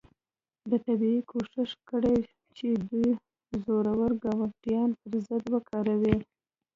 ده طبیعي کوښښ کړی چې دوه زورور ګاونډیان پر ضد وکاروي.